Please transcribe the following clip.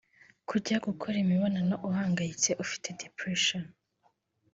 Kujya gukora imibonano uhangayitse (ufite depression )